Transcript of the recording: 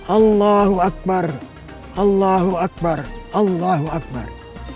allahu akbar allahu akbar allahu akbar